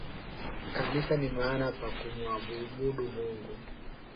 Kanisa ni maana pa kumuabudu Mungu